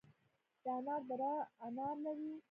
د انار دره انار لري